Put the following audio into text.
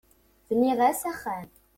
Bniɣ-as axxam.